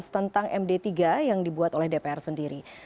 tentang md tiga yang dibuat oleh dpr sendiri